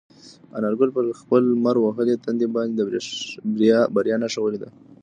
انارګل په خپل لمر وهلي تندي باندې د بریا نښه ولیده.